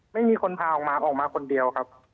ไม่มีคนพาออกมาออกมาคนเดียวครับ